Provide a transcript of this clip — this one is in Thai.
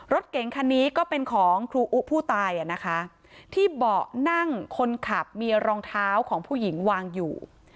รถเก๋งคันนี้ก็เป็นของครูอุผู้ตายอ่ะนะคะที่เบาะนั่งคนขับมีรองเท้าของผู้หญิงวางอยู่